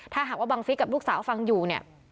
ถ้าหากว่าบังฟิศกับลูกสาวฟังอยู่เนี่ย